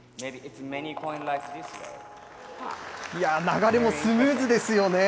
流れもスムーズですよね。